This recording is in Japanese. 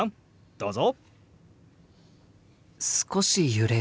どうぞ。